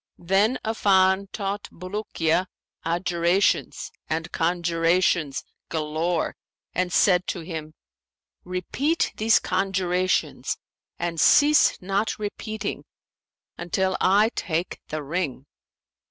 Then Affan taught Bulukiya adjurations and conjurations galore and said to him, 'Repeat these conjurations and cease not repeating until I take the ring.'